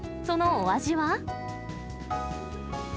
そのお味は？